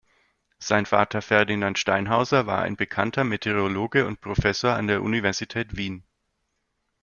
Sein Vater Ferdinand Steinhauser war ein bekannter Meteorologe und Professor an der Universität Wien.